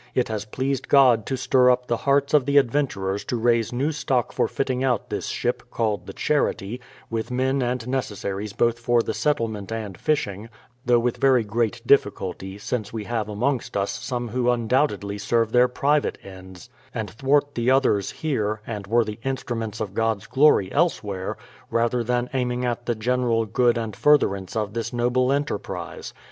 ... It has pleased God to stir up the hearts of the adventurers to raise new stock for fitting out this ship, called the Charity, with men and necessaries both for the settlement and fishing, — though with very great difficulty, since we have amongst us some who undoubtedly serve their private ends, and thwart the others here, and worthy instruments of God's glory elsewhere,* rather than aiming at the general good and furtherance of this noble enterprise.